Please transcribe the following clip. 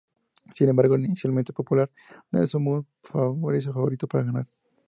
Sin embargo, el inicialmente popular Nelson Muntz parece el favorito para ganar.